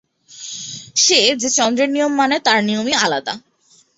সে, যে চন্দ্রের নিয়ম মানে তার নিয়মই আলাদা।